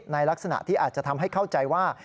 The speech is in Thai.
ในลักษณะที่อาจจะทำให้เข้าใจว่า